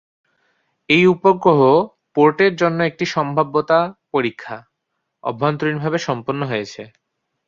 এই উপগ্রহ পোর্টের জন্য একটি সম্ভাব্যতা সমীক্ষা অভ্যন্তরীণভাবে সম্পন্ন হয়েছে।